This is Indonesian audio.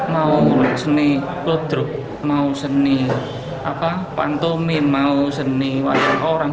mau seni kodruk mau seni pantomi mau seni warian orang